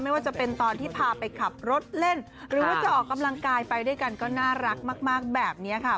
ไม่ว่าจะเป็นตอนที่พาไปขับรถเล่นหรือว่าจะออกกำลังกายไปด้วยกันก็น่ารักมากแบบนี้ค่ะ